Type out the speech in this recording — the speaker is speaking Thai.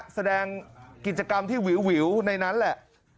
แสดงกิจกรรมที่วิวในนั้นแหละ